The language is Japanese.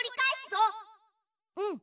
うん。